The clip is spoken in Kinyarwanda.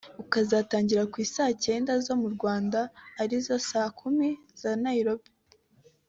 ukazatangira ku I Saa Cyenda zomu Rwanda ari zo Saa kumi za Nairobi